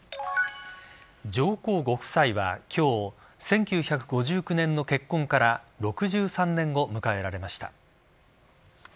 上皇ご夫妻は今日１９５９年の結婚から６３年を迎えられました。